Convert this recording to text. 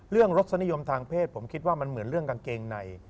รสนิยมทางเพศผมคิดว่ามันเหมือนเรื่องกางเกงใน